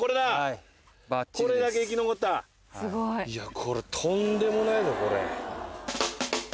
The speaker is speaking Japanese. これとんでもないぞこれ。